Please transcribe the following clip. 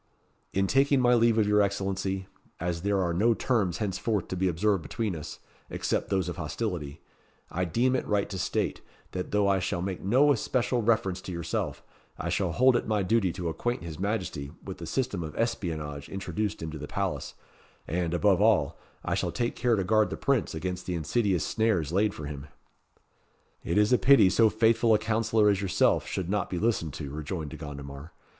"In taking my leave of your Excellency, as there are no terms henceforth to be observed between us, except those of hostility, I deem it right to state, that though I shall make no especial reference to yourself, I shall hold it my duty to acquaint his Majesty with the system of espionage introduced into the palace; and, above all, I shall take care to guard the Prince against the insidious snares laid for him." "It is a pity so faithful a councillor as yourself should not be listened to," rejoined De Gondomar.